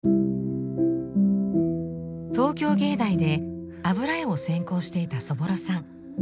東京藝大で油絵を専攻していたそぼろさん。